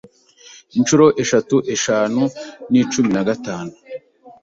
Inshuro eshatu eshanu ni cumi na gatanu.